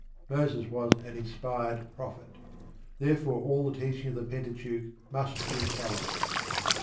Moses was an inspired prophet; therefore all the teaching of the Pentateuch must be infallible.